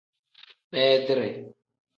Beedire.